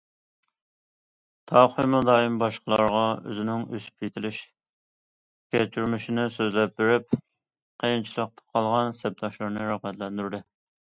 تاۋ خۇيمۇ دائىم باشقىلارغا ئۆزىنىڭ ئۆسۈپ يېتىلىش كەچۈرمىشىنى سۆزلەپ بېرىپ، قىيىنچىلىقتا قالغان سەپداشلىرىنى رىغبەتلەندۈردى.